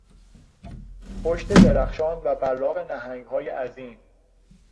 پشت درخشان و براق نهنگهای عظیم